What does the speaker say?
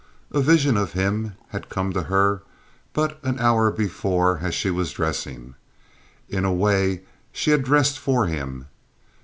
A vision of him had come to her but an hour before as she was dressing. In a way she had dressed for him.